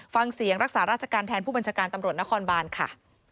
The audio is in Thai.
ฟังเสียงรักษาราชการแทนผู้บัญชาการตำรวจนครบานค่ะ